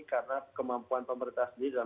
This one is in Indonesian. karena kemampuan pemerintah sendiri dalam